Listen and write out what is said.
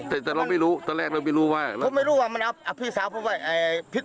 แต่แต่เราไม่รู้ตอนแรกเราไม่รู้ว่าผมไม่รู้ว่ามันเอาพี่สาวผมว่าไอ้พิษ